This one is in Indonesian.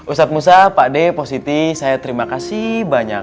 ustadz musa pade positi saya terima kasih banyak